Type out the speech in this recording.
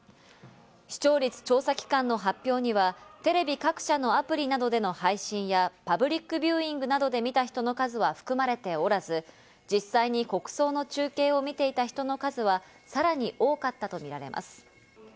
視聴率調査機関の発表には、テレビ各社のアプリなどでの配信やパブリックビューイングなどで見た人の数は含まれておらず、実際に国葬の中継を見ていた人の数はさらに多かったとみられます。